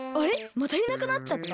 またいなくなっちゃった？